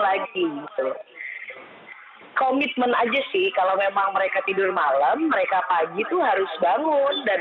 lagi gitu komitmen aja sih kalau memang mereka tidur malam mereka pagi tuh harus bangun dan